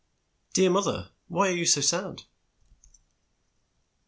"Dear moth er, why are you so sad?"